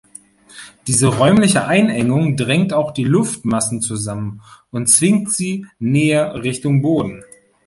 Diese räumliche Einengung drängt auch die Luftmassen zusammen und zwingt sie näher Richtung Boden.